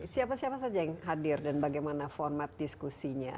siapa siapa saja yang hadir dan bagaimana format diskusinya